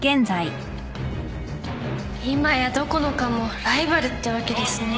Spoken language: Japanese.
今やどこの科もライバルってわけですね。